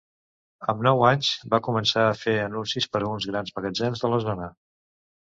Amb nou anys va començar a fer anuncis per a uns grans magatzems de la zona.